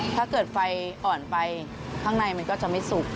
ถ้าเกิดไฟอ่อนไปข้างในมันก็จะไม่สุก